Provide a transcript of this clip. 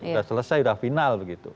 sudah selesai sudah final